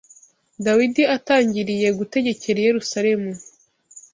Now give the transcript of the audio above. Dawidi atangiriye gutegekera Yerusalemu